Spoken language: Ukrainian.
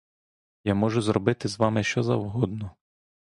Я можу зробити з вами що завгодно.